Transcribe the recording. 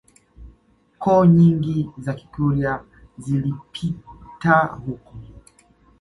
Koo nyingi za Kikurya zilipita huko